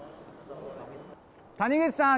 谷口さん！